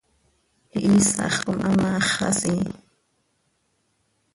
Ihiisax com hamaax xasii.